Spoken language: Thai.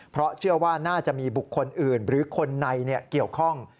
เพราะเชื่อว่าน่าจะมีบุคคลอื่นหรือคนในเกี่ยวข้อง